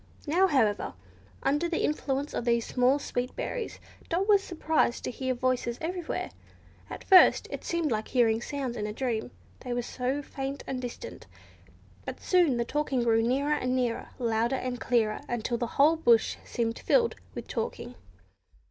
Now, however, under the influence of these small, sweet berries, Dot was surprised to hear voices everywhere. At first it seemed like hearing sounds in a dream, they were so faint and distant, but soon the talking grew nearer and nearer, louder and clearer, until the whole bush seemed filled with talking.